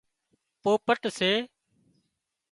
پوپٽ سي